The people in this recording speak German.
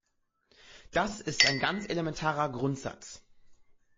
Das ist ein ganz elementarer Grundsatz.